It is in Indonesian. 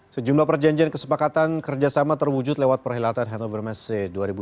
sejumlah perjanjian kesepakatan kerjasama terwujud lewat perhelatan hannover messe dua ribu dua puluh